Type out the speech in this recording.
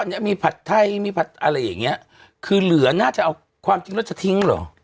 อันนี้มีผัดไทยมีผัดอะไรอย่างเงี้ยคือเหลือน่าจะเอาความจริงแล้วจะทิ้งเหรอ